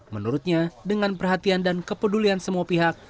menurutnya dengan perhatian dan kepedulian semua pihak